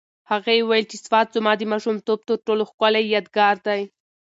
هغې وویل چې سوات زما د ماشومتوب تر ټولو ښکلی یادګار دی.